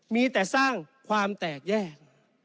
มีแต่สร้างความแตกแยก